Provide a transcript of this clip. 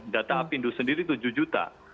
data apindo sendiri tujuh juta